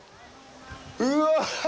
うわ！